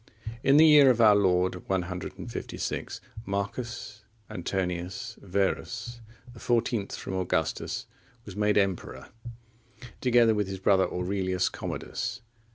In the year of our Lord 156, Marcus Antoninus Verus,(41) the fourteenth from Augustus, was made emperor, together with his brother, Aurelius Commodus.